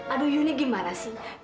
aduh ini gimana sih